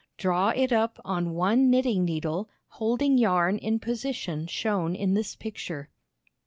Draw it up on one knitting needle, holding yarn in position shown in this picture.